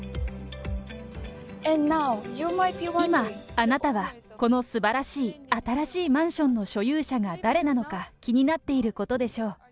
今、あなたはこのすばらしい新しいマンションの所有者が誰なのか気になっていることでしょう。